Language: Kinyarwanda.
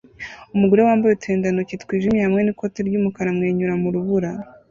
Umugore wambaye uturindantoki twijimye hamwe n'ikoti ry'umukara amwenyura mu rubura